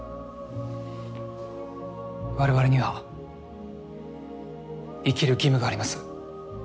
われわれには生きる義務があります。